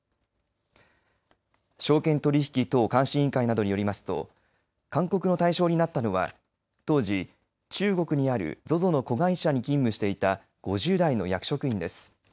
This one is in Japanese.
証券取引等監視委員会などによりますと勧告の対象になったのは当時、中国にあるＺＯＺＯの子会社に勤務していた５０代の役職員です。